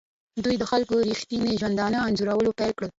دوی د خلکو ریښتیني ژوندانه انځورول پیل کړل.